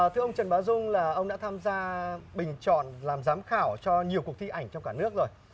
thưa ông trần bá dung là ông đã tham gia bình chọn làm giám khảo cho nhiều cuộc thi ảnh trong cả nước rồi